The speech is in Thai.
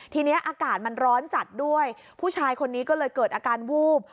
ทีนี้อากาศมันร้อนจัดด้วยผู้ชายคนนี้ก็เลยเกิดอาการวูบ